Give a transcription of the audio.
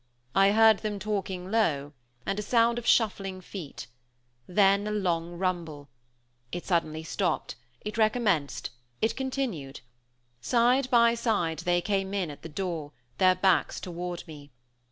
I heard them talking low, and a sound of shuffling feet; then a long rumble; it suddenly stopped; it recommenced; it continued; side by side they came in at the door, their backs toward me.